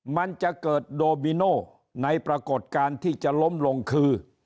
มันจะเกิดโดมิโน่ในปรากฏการณ์ที่จะล้มลงคือ